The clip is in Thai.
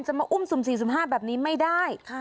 จะมาอุ้มสุ่มสี่สุ่มห้าแบบนี้ไม่ได้